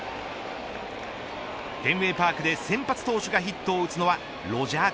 フェンウェイ・パークで先発投手がヒットを打つのはロジャー